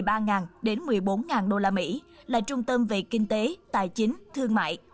tầm nhìn đến năm hai nghìn bốn mươi năm trở thành trung tâm về kinh tế tài chính của châu á phát triển bền vững